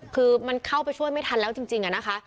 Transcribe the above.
คือมันเข้าไปช่วยไม่ทันแล้วจริงอะนะคะ